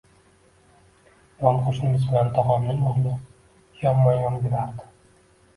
Yon qo`shnimiz bilan tog`amning o`g`li yonma-yon yurardi